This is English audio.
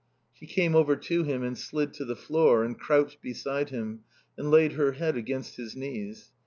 She came over to him and slid to the floor and crouched beside him and laid her head against his knees.